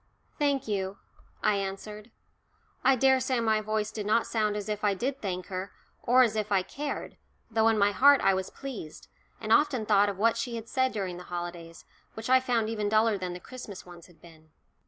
"Thank you," I answered. I daresay my voice did not sound as if I did thank her or as if I cared, though in my heart I was pleased, and often thought of what she had said during the holidays, which I found even duller than the Christmas ones had been.